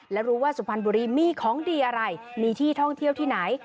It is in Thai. และรู้ว่าสุพรรณบุรีมีของดีอะไรมีที่ท่องเที่ยวที่ไหน